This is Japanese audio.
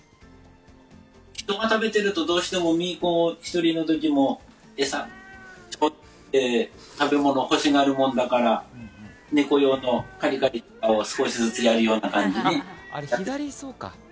人が食べてると、どうしてもミー子１人の時も食べ物を欲しがるもんだから猫用のカリカリを少しやるような感じで。